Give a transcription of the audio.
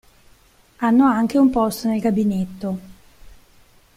Hanno anche un posto nel gabinetto.